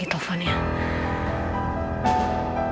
kita posisikan sebenarnya ini